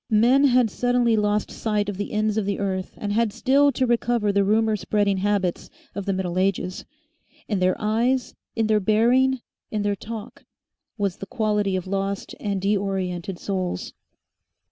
Men had suddenly lost sight of the ends of the earth and had still to recover the rumour spreading habits of the Middle Ages. In their eyes, in their bearing, in their talk, was the quality of lost and deoriented souls.